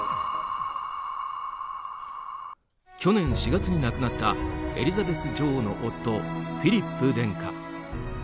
去年４月に亡くなったエリザベス女王の夫フィリップ殿下。